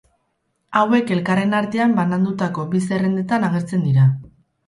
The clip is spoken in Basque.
Hauek elkarren artean banandutako bi zerrendetan agertzen dira.